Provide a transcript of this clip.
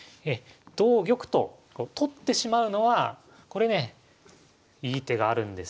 同玉と取ってしまうのはこれねいい手があるんですね。